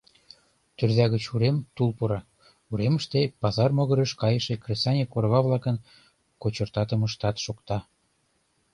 Тӧрза гыч урем тул пура, уремыште пазар могырыш кайыше кресаньык орва-влакын кочыртатымыштат шокта.